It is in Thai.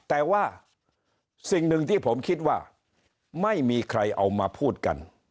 แต่ว่าสิ่งหนึ่งที่ผมคิดว่าไม่มีใครเอามาพูดกัน